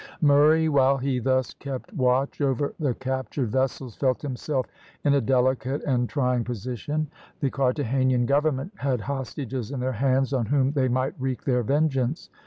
Murray, while he thus kept watch over the captured vessels, felt himself in a delicate and trying position. The Carthagenan government had hostages in their hands on whom they might wreak their vengeance.